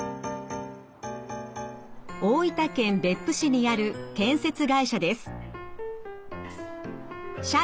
大分県別府市にある建設会社です。